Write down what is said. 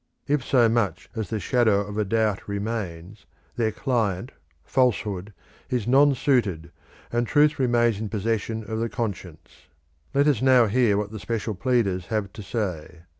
If so much as the shadow of a doubt remains, their client, Falsehood, is non suited, and Truth remains in possession of the conscience. Let us now hear what the special pleaders have to say.